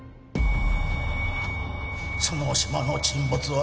その島の沈没は